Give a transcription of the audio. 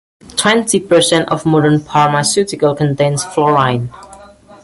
Twenty percent of modern pharmaceuticals contain fluorine.